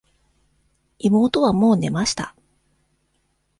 妹はもう寝ました。